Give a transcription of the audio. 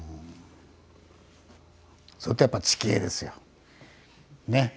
それとやっぱり地形ですよ。ね！